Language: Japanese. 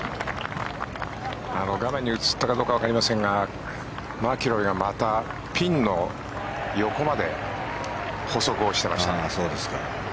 画面に映ったかどうかわかりませんがマキロイがまたピンの横まで歩測をしてました。